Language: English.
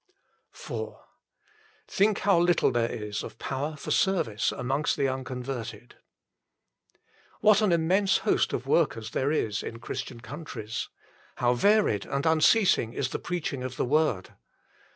IV Think how little there is of power for service amongst the unconverted. What an immense host of workers there is in Christian countries. How varied and un ceasing is the preaching of the Word.